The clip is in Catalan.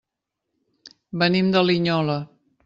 Venim de Linyola.